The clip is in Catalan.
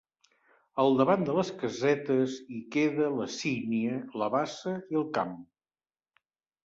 Al davant de les casetes hi queda la sínia, la bassa i el camp.